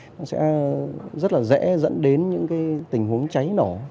nó sẽ rất là dễ dẫn đến những tình huống cháy nổ